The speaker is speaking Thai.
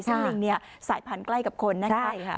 ซึ่งลิงเนี่ยสายพันธุ์ใกล้กับคนนะคะ